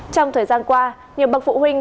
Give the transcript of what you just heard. trong thời gian qua nhiều bậc phụ huynh